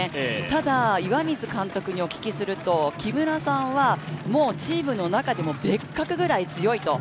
ただ、岩水監督にお聞きすると木村さんは、もうチームの中でも別格くらい強いと。